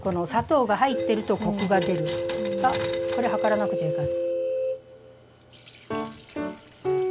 あっこれ量らなくちゃいかん。